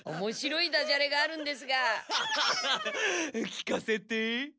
聞かせて。